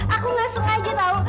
aku gak suka aja tau